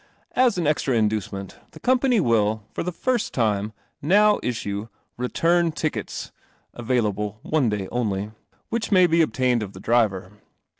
As an extra inducement, the Company will, for the first time, now issue Return Tickets ! (available one day only), which may be obtained of the driver.